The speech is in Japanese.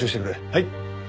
はい。